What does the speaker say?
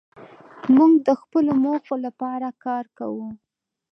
موږ د خپلو موخو لپاره کار کوو.